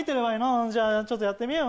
うんじゃあちょっとやってみ。